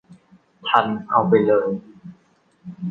ทัน เอาไปเลย